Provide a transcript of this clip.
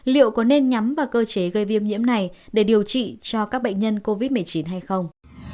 liệu có nên nhắm vào cơ chế gây viêm nhiễm này để điều trị cho các bệnh nhân covid một mươi chín hay không